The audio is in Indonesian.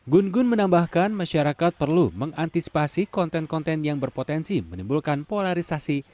gun gun menambahkan masyarakat perlu mengantisipasi konten konten yang berpotensi menimbulkan polarisasi